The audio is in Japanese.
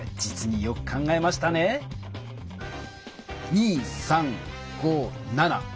２３５７。